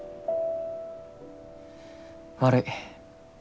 悪い。